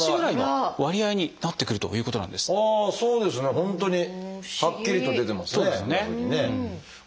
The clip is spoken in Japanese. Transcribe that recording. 本当にはっきりと出てますねグラフにね。